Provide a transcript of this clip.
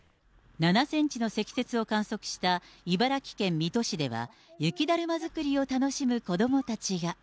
７センチの積雪を観測した茨城県水戸市では、雪だるま作りを楽しむ子どもたちが。